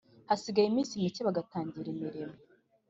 Hasigaye iminsi micye bagatangira imirimo